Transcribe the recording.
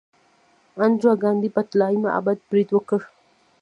اندرا ګاندي په طلایی معبد برید وکړ.